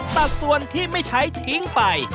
ตัดส่วนที่ไม่ใช้ทิ้งไป